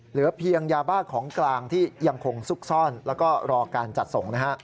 เหลือเพียงยาบ้าของกลางที่ยังคงซุกซ่อนแล้วก็รอการจัดส่งนะฮะ